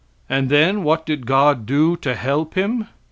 And then what did God do to help him!